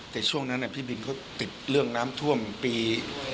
แต่ช่วงนั้นพี่บินเขาติดเรื่องน้ำท่วมปี